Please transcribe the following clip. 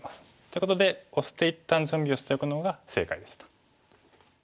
ということでオシて一旦準備をしておくのが正解でした。